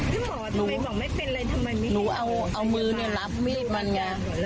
พี่หมอทำไมบอกไม่เป็นไรทำไมไม่ให้หนูเอาเอามือเนี้ยรับมีดมันไง